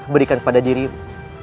berikan kepada dirimu